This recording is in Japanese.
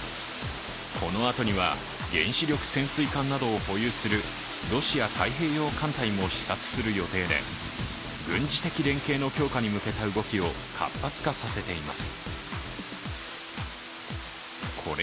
このあとには、原子力潜水艦などを保有するロシア太平洋艦隊なども視察する予定で軍事的連携の強化に向けた動きを活発化させています。